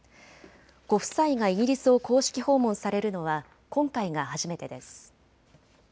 ご夫妻がイギリスを公式訪問されるのは今回が初めてです。